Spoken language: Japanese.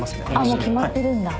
もう決まってるんだ。